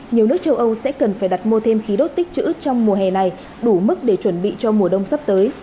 nhiều nước châu âu sẽ cần phải đặt mua thêm khí đốt tích chữ trong mùa hè này đủ mức để chuẩn bị cho mùa đông sắp tới